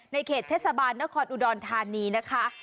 เขตเทศบาลนครอุดรธานีนะคะ